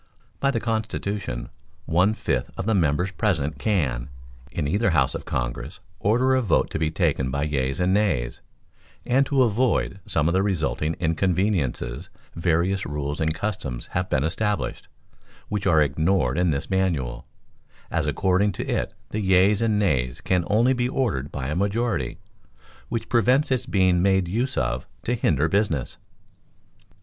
By the Constitution, one fifth of the members present can, in either house of Congress, order a vote to be taken by yeas and nays, and to avoid some of the resulting inconveniences various rules and customs have been established, which are ignored in this Manual, as according to it the yeas and nays can only be ordered by a majority, which prevents its being made use of to hinder business.